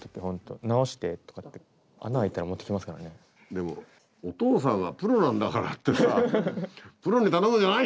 でもお父さんはプロなんだからってさプロに頼むんじゃない！